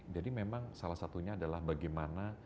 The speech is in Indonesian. jadi memang salah satunya adalah bagaimana